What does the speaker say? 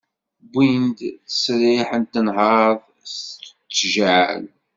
Wwin-d ttesriḥ n tenhert s tijɛεal.